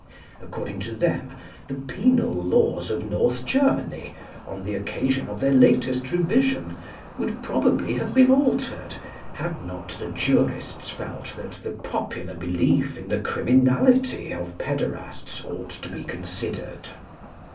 According to them, the penal laws of North Germany, on the occasion of their last revision, would probably have been altered, had not the jurists felt that the popular belief in the criminality of pæderasts ought to be considered.